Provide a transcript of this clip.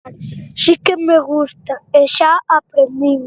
Si que me gusta e xa a aprendín.